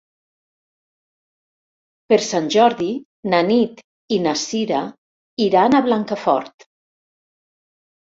Per Sant Jordi na Nit i na Cira iran a Blancafort.